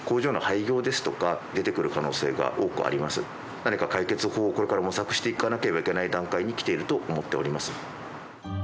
何か解決法をこれから模索していかなければいけない段階にきていると思っております。